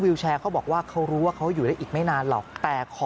วิวแชร์เขาบอกว่าเขารู้ว่าเขาอยู่ได้อีกไม่นานหรอกแต่ขอ